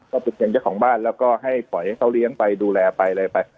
ก็เป็นเพียงเจ้าของบ้านแล้วก็ให้ปล่อยให้เขาเลี้ยงไปดูแลไปอะไรไป